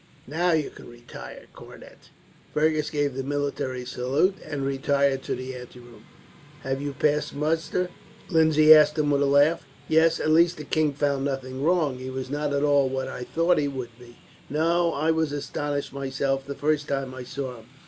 "Now you can retire, cornet." Fergus gave the military salute, and retired to the anteroom. "Have you passed muster?" Lindsay asked with a laugh. "Yes; at least the king found nothing wrong. He was not at all what I thought he would be." "No; I was astonished myself, the first time I saw him.